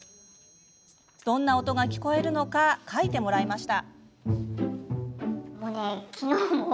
どんな音が聞こえるのか書いてもらいました。